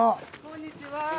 こんにちは。